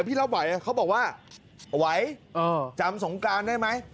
พี่รับไหวเขาบอกว่าไหวจำสงการได้ไหม